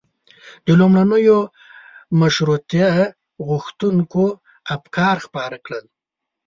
د لومړنیو مشروطیه غوښتونکيو افکار خپاره کړل.